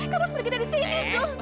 kamu harus pergi dari sini